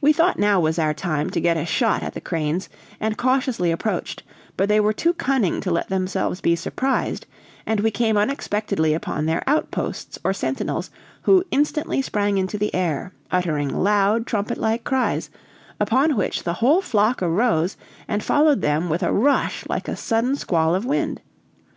"We thought now was our time to get a shot at the cranes, and cautiously approached; but they were too cunning to let themselves be surprised, and we came unexpectedly upon their out posts or sentinels, who instantly sprang into the air, uttering loud, trumpet like cries, upon which the whole flock arose and followed them with a rush like a sudden squall of wind.